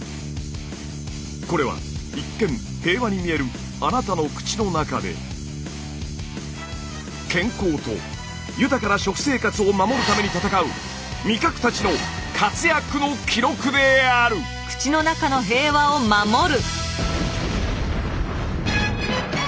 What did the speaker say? これは一見平和に見えるあなたの口の中で健康と豊かな食生活を守るために戦う味覚たちの活躍の記録である！